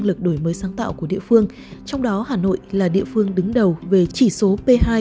lực đổi mới sáng tạo của địa phương trong đó hà nội là địa phương đứng đầu về chỉ số p hai